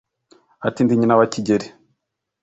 Ati: ndi nyina wa Kigeli